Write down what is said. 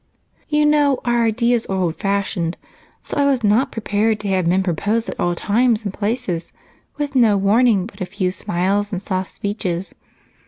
"You know our ideas are old fashioned, so I was not prepared to have men propose at all times and places with no warning but a few smiles and soft speeches.